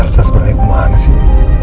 elsa sebenernya kumahana sih